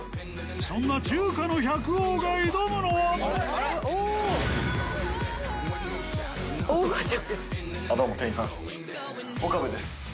そんな中華の百王が挑むのは「大御所」！？